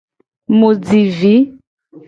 Mu ji vi.